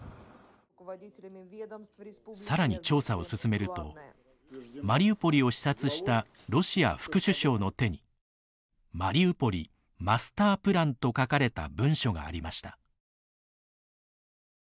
さらに調査を進めるとマリウポリを視察したロシア副首相の手に「マリウポリ・マスタープラン」と書かれた文書がありました。